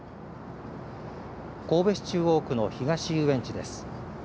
神戸市中央区の東遊園地です。